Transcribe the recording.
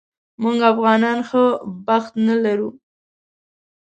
موږ افغانان ښه بخت نه لرو